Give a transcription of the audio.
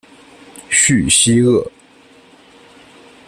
叙西厄。